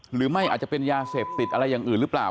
หรือไม่อาจจะเป็นยาเสพติดอะไรอย่างอื่นหรือเปล่า